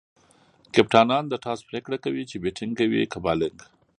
کپتانان د ټاس پرېکړه کوي، چي بيټینګ کوي؛ که بالینګ.